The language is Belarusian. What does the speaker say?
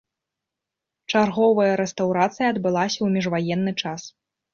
Чарговая рэстаўрацыя адбылася ў міжваенны час.